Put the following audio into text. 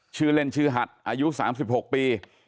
ชื่อเล่นชื่อหัดอายุ๓๖ปี